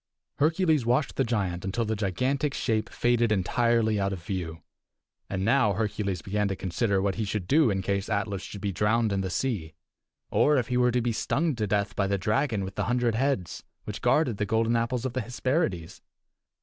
Hercules watched the giant until the gigantic shape faded entirely out of view. And now Hercules began to consider what he should do in case Atlas should be drowned in the sea, or if he were to be stung to death by the dragon with the hundred heads, which guarded the golden apples of the Hesperides.